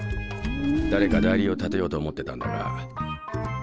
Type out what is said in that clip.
誰か代理を立てようと思ってたんだが。